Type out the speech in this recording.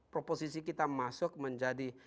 proposisi kita masuk menjadi